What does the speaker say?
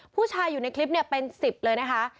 ผู้ชายอยู่ในคลิปเนี่ยเป็น๑๐เลยนะคะ